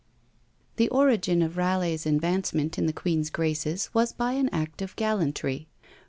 The origin of Raleigh's advancement in the queen's graces was by an act of gallantry.